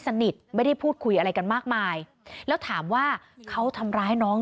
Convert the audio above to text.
ไม่ได้พูดคุยอะไรกันมากมายแล้วถามว่าเขาทำร้ายน้อง